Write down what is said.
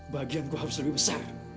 bagianku harus lebih besar